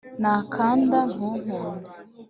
nakanda ntukunde